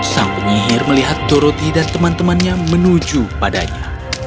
sang penyihir melihat doroti dan teman temannya menuju padanya